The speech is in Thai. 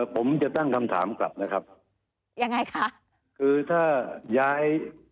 ผมจะตั้งคำถามกลับนะครับยังไงคะคือถ้าย้าย